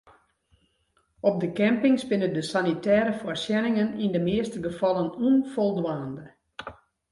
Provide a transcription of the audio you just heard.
Op de campings binne de sanitêre foarsjenningen yn de measte gefallen ûnfoldwaande.